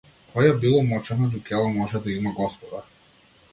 Која било мочана џукела може да има господар.